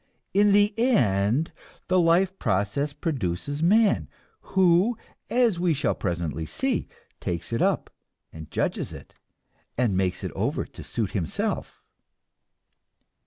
In the end the life process produces man, who, as we shall presently see, takes it up, and judges it, and makes it over to suit himself.